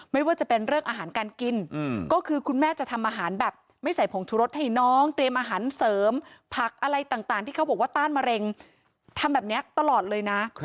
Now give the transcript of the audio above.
ไม่ว่าจะเป็นเรื่องอาหารการกินก็คือคุณแม่จะทำอาหารแบบไม่ใส่ผงชุรสให้น้องเตรียมอาหารเสริมผักอะไรต่างที่เขาบอกว่าต้านมะเร็งทำแบบนี้ตลอดเลยนะ